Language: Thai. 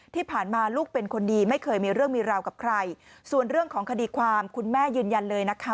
ที่ผ่านมาลูกเป็นคนดีไม่เคยมีเรื่องมีราวกับใครส่วนเรื่องของคดีความคุณแม่ยืนยันเลยนะคะ